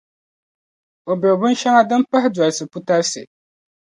o biri binshɛŋa din pahi dolisi putarisi.